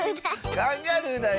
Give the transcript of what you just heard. カンガルーだよ。